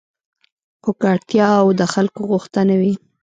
خو که اړتیا او د خلکو غوښتنه وي